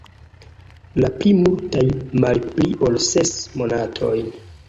La pli multaj malpli ol ses monatojn.